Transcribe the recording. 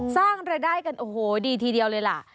สร้างรายได้กันโอ้โหดีทีเดียวเลยล่ะ